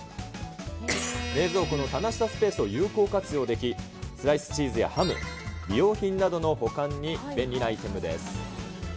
冷蔵庫の棚下スペースを有効活用でき、スライスチーズやハム、美容品などの保管に便利なアイテムです。